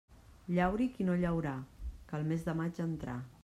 Llauri qui no llaurà, que el mes de maig entrà.